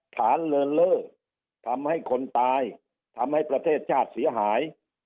ฐานเลินเล่อทำให้คนตายทำให้ประเทศชาติเสียหาย